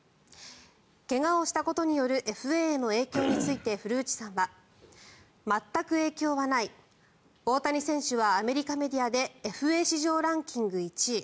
怪我をしたことによるＦＡによる影響について古内さんは全く影響はない大谷選手はアメリカメディアでＦＡ市場ランキング１位。